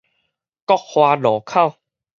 國華路口